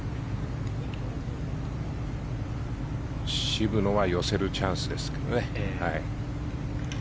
渋野は寄せるチャンスですけどね。